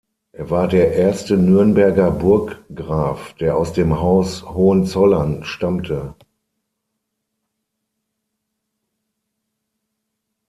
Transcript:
Er war der erste Nürnberger Burggraf, der aus dem Haus Hohenzollern stammte.